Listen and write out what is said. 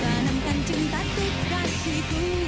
kanan kan cinta tikus itu